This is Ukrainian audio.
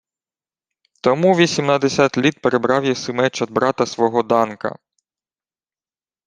— Тому вісімнадесять літ перебрав єси меч од брата свого Данка.